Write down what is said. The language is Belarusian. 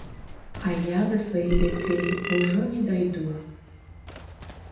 А я да сваіх дзяцей ужо не дайду.